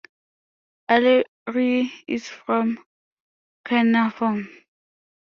Eleri is from Caernarfon.